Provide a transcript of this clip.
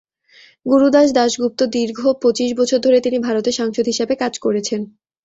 গুরুদাস দাসগুপ্ত দীর্ঘ পঁচিশ বছর ধরে তিনি ভারতের সাংসদ হিসেবে কাজ করেছেন।